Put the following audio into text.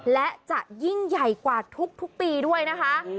และจะยิ่งใหญ่กว่าทุกปีด้วยนะคะ